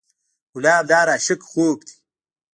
ګلاب د هر عاشق خوب دی.